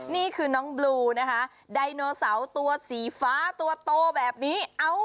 นี่คือน้องบลูนะคะไดโนเสาร์ตัวสีฟ้าตัวโตแบบนี้